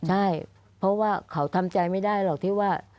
ใช่เพราะว่าเขาทำใจไม่ได้หรอกที่ว่า